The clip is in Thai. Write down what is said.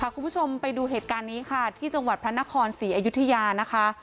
คุณผู้ชมไปดูเหตุการณ์นี้ค่ะที่จังหวัดพระนครศรีอยุธยานะคะ